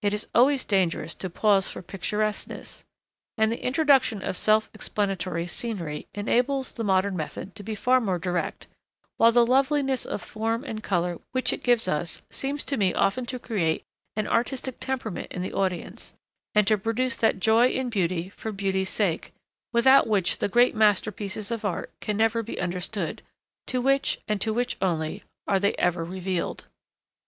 It is always dangerous to pause for picturesqueness. And the introduction of self explanatory scenery enables the modern method to be far more direct, while the loveliness of form and colour which it gives us, seems to me often to create an artistic temperament in the audience, and to produce that joy in beauty for beauty's sake, without which the great masterpieces of art can never be understood, to which, and to which only, are they ever revealed.